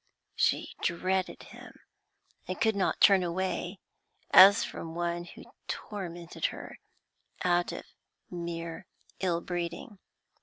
She dreaded him, and could not turn away as from one who tormented her out of mere ill breeding.